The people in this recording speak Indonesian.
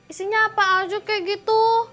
isinya apa alju kayak gitu